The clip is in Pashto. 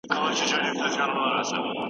ټولنپوهنه د انساني ټولني علم دی.